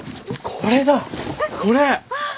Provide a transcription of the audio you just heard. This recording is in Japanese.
これ。